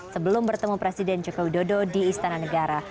sebelum bertemu presiden joko widodo di istana negara